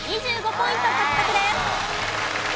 ２５ポイント獲得です。